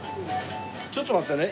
ちょっと待ってね。